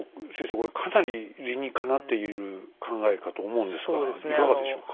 これかなり理にかなっている考えかと思うんですがいかがでしょうか？